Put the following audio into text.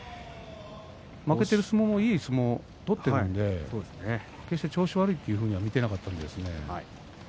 負けている相撲もいい相撲を取っているので決して調子が悪いとは見ていなかったんですね。